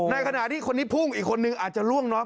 ในขณะที่คนนี้พุ่งอีกคนนึงอาจจะล่วงน้อม